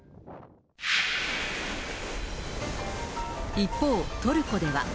一方、トルコでは。